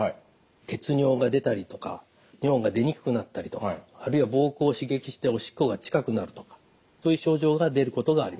血尿が出たりとか尿が出にくくなったりとかあるいは膀胱を刺激しておしっこが近くなるとかという症状が出ることがあります。